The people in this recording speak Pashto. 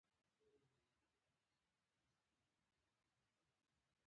له ملګرو وغوښتل شول چې خپل تاثر شریک کړي.